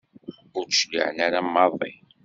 Ur d-cliɛen ara maḍi.